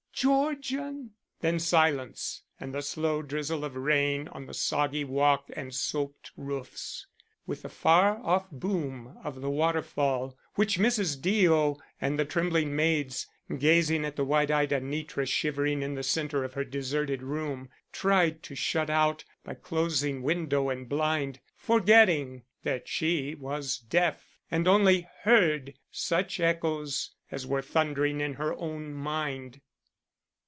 Georgian!" Then silence and the slow drizzle of rain on the soggy walk and soaked roofs, with the far off boom of the waterfall which Mrs. Deo and the trembling maids gazing at the wide eyed Anitra shivering in the center of her deserted room, tried to shut out by closing window and blind, forgetting that she was deaf and only heard such echoes as were thundering in her own mind.